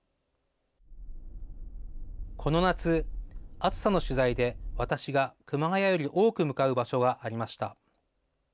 この夏、暑さの取材で私が熊谷より多く向かう場所がありました。